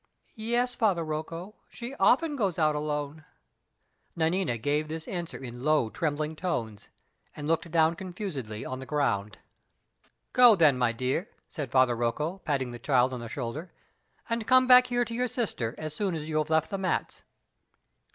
"Yes, Father Rocco, she often goes out alone." Nanina gave this answer in low, trembling tones, and looked down confusedly on the ground. "Go then, my dear," said Father Rocco, patting the child on the shoulder; "and come back here to your sister, as soon as you have left the mats."